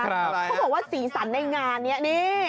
เขาบอกว่าสีสันในงานนี้นี่